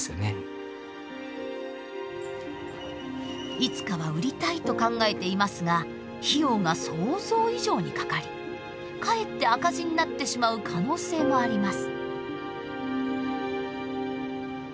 いつかは売りたいと考えていますが費用が想像以上にかかりかえって赤字になってしまう可能性もあります。